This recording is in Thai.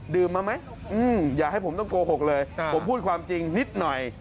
มาไหมอย่าให้ผมต้องโกหกเลยผมพูดความจริงนิดหน่อย